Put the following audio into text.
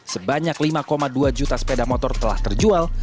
sebanyak lima dua juta sepeda motor telah terjual